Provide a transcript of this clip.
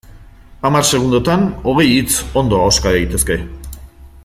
Hamar segundotan hogei hitz ondo ahoska daitezke.